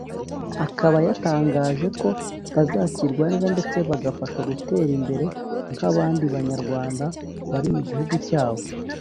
akaba yatangaje ko bazakirwa neza ndetse bagafashwa gutera imbere nk’abandi Banyarwanda bari mu gihugu cyabo